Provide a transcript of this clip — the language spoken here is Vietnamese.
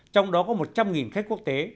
trong đó có một trăm linh khách quốc tế